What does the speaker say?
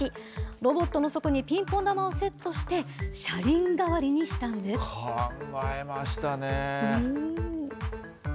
ロボットの底にピンポン球をセットして、車輪代わりにし考えましたね。